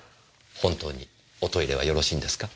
本当におトイレはよろしいんですか？